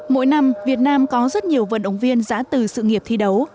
mỗi năm việt nam có rất nhiều vận động viên giã từ sự nghiệp thi đấu